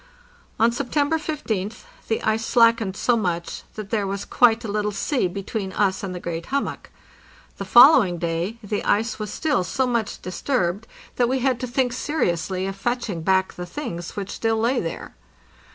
On September 15th the ice slackened so much that there was quite a little sea between us and the great hummock. The fol lowing day the ice was still so much disturbed that we had to 662 APPENDIX think seriously of fetching back the things which still lay there.